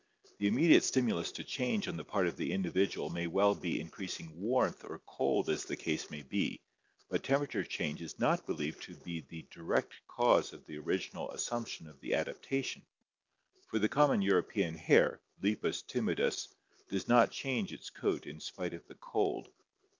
The im mediate stimulus to change on the part of the individual may well be increasing warmth or cold as the case may be, but temperature change is not believed to be the direct cause of the original assump tion of the adaptation, for the common European hare, Lepus timidus, does not change its coat in spite of the cold.